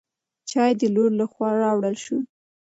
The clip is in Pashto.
چای د لور له خوا راوړل شو.